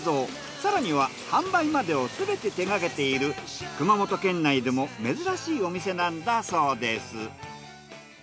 更には販売までをすべて手がけている熊本県内でも珍しいお店なんだそうです。